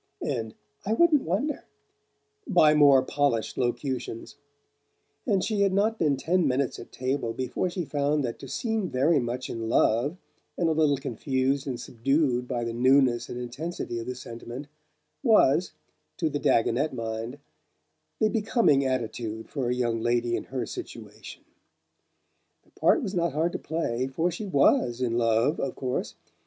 and "I wouldn't wonder" by more polished locutions; and she had not been ten minutes at table before she found that to seem very much in love, and a little confused and subdued by the newness and intensity of the sentiment, was, to the Dagonet mind, the becoming attitude for a young lady in her situation. The part was not hard to play, for she WAS in love, of course.